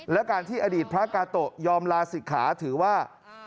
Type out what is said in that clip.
และการที่อดีตพระกาโตะยอมลาศิกขาถือว่า